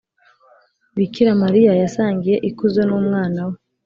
bikira mariya yasangiye ikuzo n’umwana we.